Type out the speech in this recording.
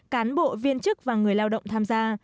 cán bộ viên chức và người lao động tham gia